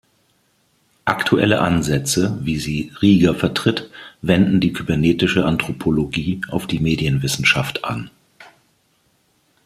Aktuelle Ansätze, wie sie Rieger vertritt, wenden die kybernetische Anthropologie auf die Medienwissenschaft an.